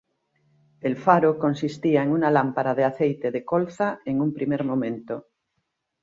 El faro consistía en una lámpara de aceite de colza en un primer momento.